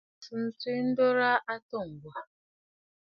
Taà kɨ naŋsə swɛ̌ ndurə a atû Ŋgwà.